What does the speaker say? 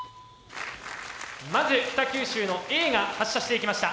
まず北九州のＡが発射していきました。